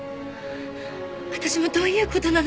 私もどういうことなのか。